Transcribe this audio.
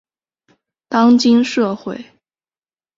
当今社会